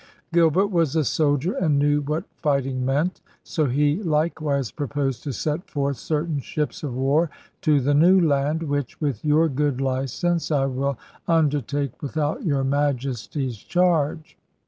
Gilbert was a soldier and knew what fighting meant; so he likewise proposed *to set forth certain ships of war to the New Land, which, with your good licence, I will undertake without your Majesty's charge.